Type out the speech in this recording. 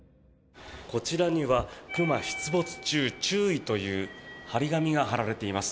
こちらには熊出没中注意という貼り紙が貼られています。